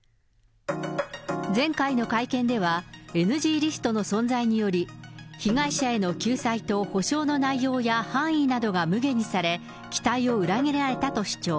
前回の会見では、ＮＧリストの存在により、被害者への救済と補償の内容や範囲などがむげにされ、期待を裏切られたと主張。